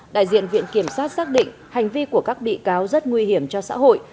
đại diện viện kiểm sát xác định hành vi của các bị cáo rất nguy hiểm cho xã hội